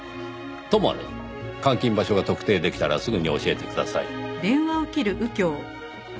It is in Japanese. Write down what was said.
ともあれ監禁場所が特定できたらすぐに教えてください。